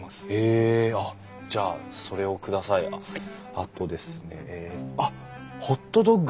あとですねあっホットドッグ。